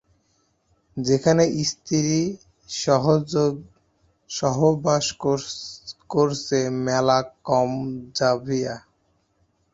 সেখানেই স্ত্রী সহযোগে বসবাস করছেন ম্যালকম জার্ভিস।